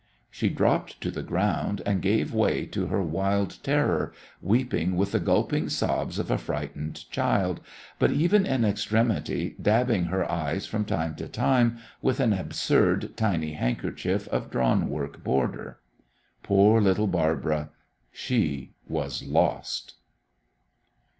She dropped to the ground and gave way to her wild terror, weeping with the gulping sobs of a frightened child, but even in extremity dabbing her eyes from time to time with an absurd tiny handkerchief of drawn work border. Poor little Barbara: she was lost!